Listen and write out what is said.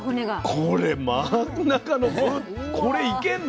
これ真ん中のこれいけんの？